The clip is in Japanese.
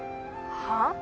はあ？